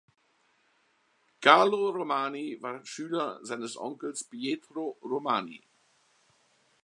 Carlo Romani war Schüler seines Onkels Pietro Romani.